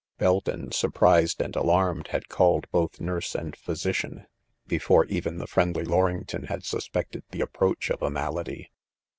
i "Belt on, surprised and alarmed, had called THE CATASTROPHE* 219 both nurse and physician', before even the friendly Lorington had suspected the approach of a malady.